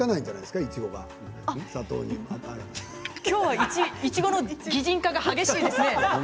今日はいちごの擬人化が激しいですね。